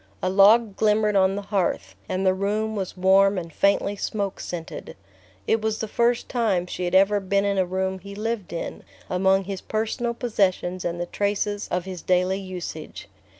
A log glimmered on the hearth, and the room was warm and faintly smoke scented. It was the first time she had ever been in a room he lived in, among his personal possessions and the traces of his daily usage.